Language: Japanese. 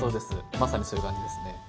まさにそういう感じですね。